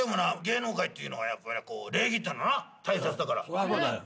そりゃそうだよ。